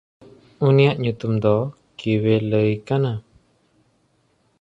ᱩᱱᱤᱭᱟᱜ ᱧᱩᱛᱩᱢ ᱫᱚ ᱠᱤᱣᱮᱞᱟᱹᱭ ᱠᱟᱱᱟ᱾